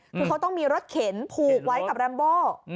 คือเขาต้องมีรถเข็นผูกไว้กับแรมโบ